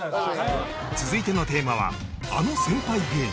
続いてのテーマは「あの先輩芸人」